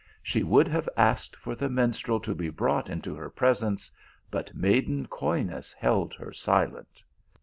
She would have asked for the minstrel to be brought into her presence, but maiden coyness held her silent.